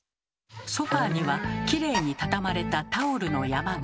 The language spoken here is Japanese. ソファーにはきれいに畳まれたタオルの山が。